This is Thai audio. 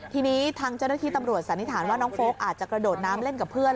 ทีนี้ทางเจ้าหน้าที่ตำรวจสันนิษฐานว่าน้องโฟลกอาจจะกระโดดน้ำเล่นกับเพื่อน